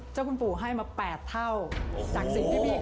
เจ้าคุณปู่ให้มา๘เท่าจากสิ่งที่พี่